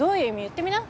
言ってみな。